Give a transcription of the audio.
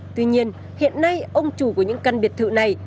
tuy nhiên hiện nay ông chủ của những căn biệt thự này